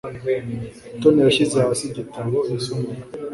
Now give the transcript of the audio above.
Mutoni yashyize hasi igitabo yasomaga.